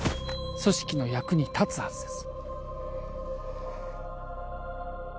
組織の役に立つはずです